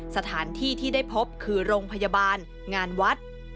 สถานที่ที่ได้พบคือโรงพยาบาลงานวัด